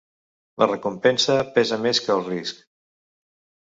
La recompensa pesa més que el risc.